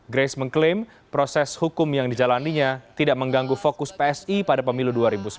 grace mengklaim proses hukum yang dijalannya tidak mengganggu fokus psi pada pemilu dua ribu sembilan belas